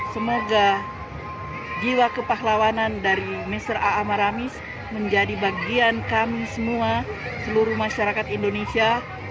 semoga jiwa kepahlawanan dari mr a a maramis menjadi bagian kami semua seluruh masyarakat indonesia